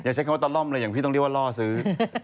ใช้คำว่าตะล่อมเลยอย่างพี่ต้องเรียกว่าล่อซื้อ